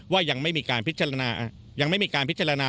ว่ายังไม่มีการพิจารณา